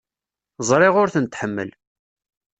Ẓriɣ ur ten-tḥemmel.